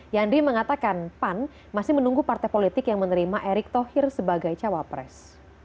yandri mengatakan pan masih menunggu partai politik yang menerima erick thohir sebagai cawapres